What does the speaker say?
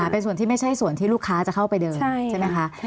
เป็นส่วนที่ไม่ใช่ส่วนที่ลูกค้าจะเข้าไปเดินใช่ไหมคะ